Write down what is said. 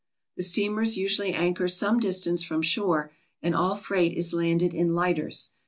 The steamers usually anchor some distance from shore and all freight is landed in lighters.